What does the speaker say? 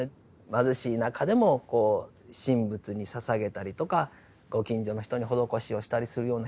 貧しい中でもこう神仏に捧げたりとかご近所の人に施しをしたりするような人だったみたいですね。